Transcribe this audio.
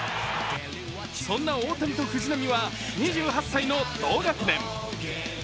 そんな大谷と藤浪は２８歳の同学年。